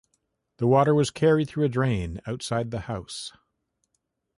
The water was carried through a drain outside the house.